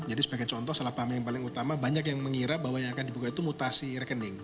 jadi sebagai contoh salah paham yang paling utama banyak yang mengira bahwa yang akan dibuka itu mutasi rekening